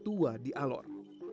tertua di alor